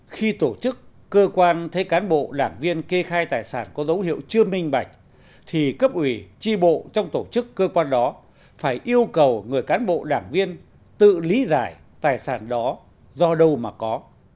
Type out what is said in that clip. khi tổ chức cơ quan thấy cán bộ đảng viên kê khai tài sản có dấu hiệu chưa minh bạch thì cấp ủy tri bộ trong tổ chức cơ quan đó phải yêu cầu người cán bộ đảng viên tự lý giải tài sản đó do đâu mà có